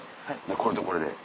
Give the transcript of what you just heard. これとこれで。